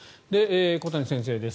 小谷先生です。